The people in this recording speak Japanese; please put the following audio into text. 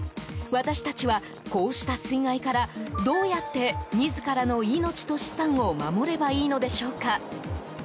私たちは、こうした水害からどうやって、自らの命と資産を守ればいいのでしょうか。